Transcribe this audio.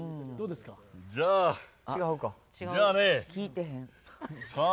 じゃあね、さあ。